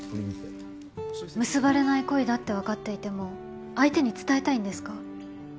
結ばれない恋だって分かっていても相手に伝えたいんですか？